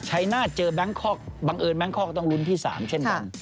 ชัยนาศเจอแบงคอกบังเอิญแบงคอกต้องลุ้นที่๓เช่นกัน